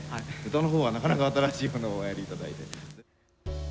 歌の方はなかなか新しいものをおやりいただいて。